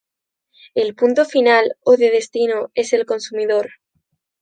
El punto final o de destino es el consumidor.